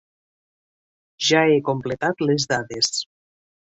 Ja he completat les dades.